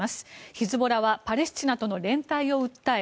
ヒズボラはパレスチナとの連帯を訴え